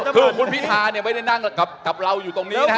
คือคุณพิธาเนี่ยไม่ได้นั่งกับเราอยู่ตรงนี้นะฮะ